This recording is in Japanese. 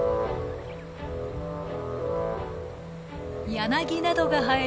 ヤナギなどが生える